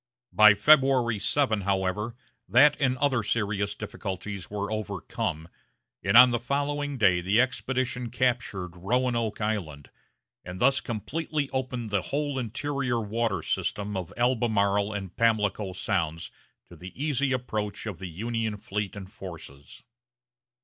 By February 7, however, that and other serious difficulties were overcome, and on the following day the expedition captured Roanoke Island, and thus completely opened the whole interior water system of Albemarle and Pamlico sounds to the easy approach of the Union fleet and forces.